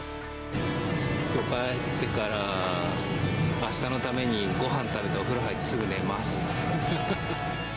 帰ってからあしたのためにごはん食べて、お風呂入って、すぐ寝ます。